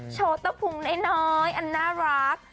โชว์ตะพุงน้อยอันน่ารัก